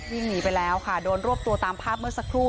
วิ่งหนีไปแล้วค่ะโดนรวบตัวตามภาพเมื่อสักครู่